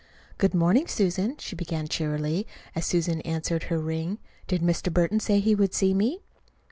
"Good morning, Susan," she began cheerily, as Susan answered her ring. "Did Mr. Burton say he would see me?"